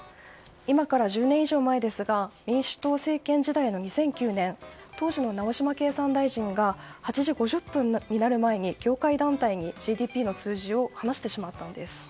今から１０年以上前ですが民主党政権時代の２００９年当時の直嶋経産大臣が８時５０分になる前に業界団体にＧＤＰの数字を話してしまったんです。